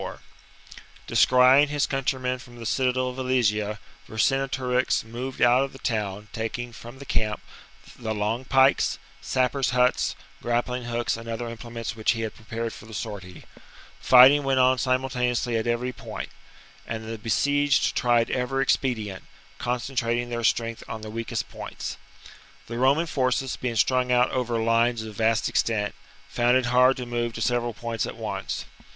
Descrying his countrymen from the citadel vercinge. of Alesia, Vercingetorix moved out of the town, tane'ous'iy " taking from the camp ^ the long pikes, sappers' sortif huts, grappling hooks, and other implements which he had prepared for the sortie. Fighting went on simultaneously at every point ; and the besieged tried every expedient, concentrating their strength on the weakest points. The Roman forces, being strung out over lines of vast extent, found it hard to move to several points at once.